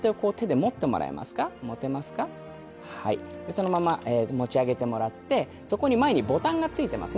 そのまま持ち上げてもらってそこに前にボタンが付いていますね。